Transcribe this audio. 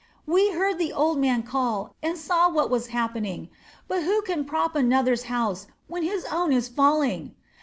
We heard the old man call, and saw what was happening; but who can prop another's house when his own is falling?